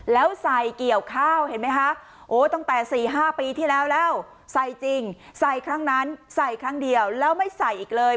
แล้วใส่เกี่ยวข้าวเห็นไหมคะโอ้ตั้งแต่๔๕ปีที่แล้วแล้วใส่จริงใส่ครั้งนั้นใส่ครั้งเดียวแล้วไม่ใส่อีกเลย